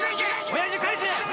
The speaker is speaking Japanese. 親父返せ！